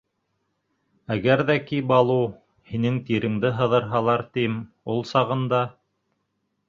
Әгәр ҙә ки, Балу, һинең тиреңде һыҙырһалар, тим, ул сағында...